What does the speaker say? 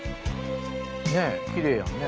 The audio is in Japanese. ねえきれいやねえ。